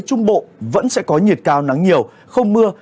trung bộ vẫn sẽ có nhiệt cao nắng nhiều không mưa